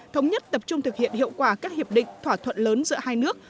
thống nhất tập trung thực hiện hiệu quả các hiệp định thỏa thuận lớn giữa hai nước